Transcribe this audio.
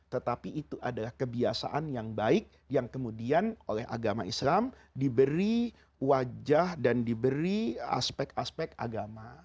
tetapi itu adalah kebiasaan yang baik yang kemudian oleh agama islam diberi wajah dan diberi aspek aspek agama